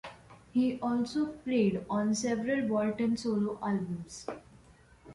He also played on several Bolton solo albums.